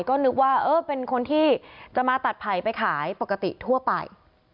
ก็นึกว่าเออเป็นคนที่จะมาตัดไผ่ไปขายปกติทั่วไป